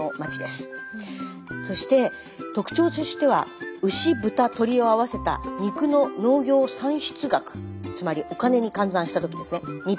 そして特徴としては牛豚鶏を合わせた肉の農業産出額つまりお金に換算した時ですね日本一です。